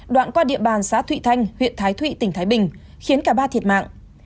đoạn qua địa bàn xã thụy thanh huyện thái thụy tỉnh thái bình khiến cả ba thiệt mạng